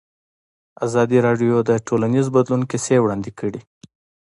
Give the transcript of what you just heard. ازادي راډیو د ټولنیز بدلون کیسې وړاندې کړي.